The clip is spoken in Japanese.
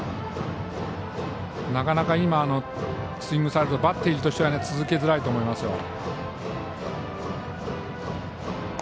なかなか今のスイングをされるとバッテリーとしては続けづらいと思います。